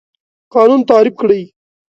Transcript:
قانون تعریف کړئ.